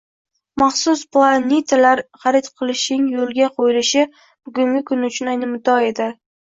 Maxsus platinilar xarid qilishing yoʻlga qoʻyilishi bugungi kun uchun ayni muddao edi.